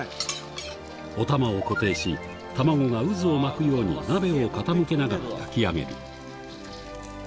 おたまを固定し、卵が渦を巻くように鍋を傾けながら焼き上げる。